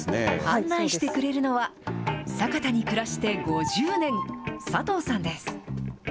案内してくれるのは、酒田に暮らして５０年、佐藤さんです。